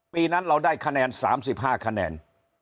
ปีนั้นเราได้คะแนน๓๕คะแนน